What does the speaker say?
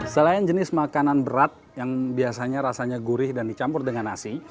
selain jenis makanan berat yang biasanya rasanya gurih dan dicampur dengan nasi